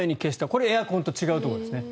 これエアコンと違うところですね。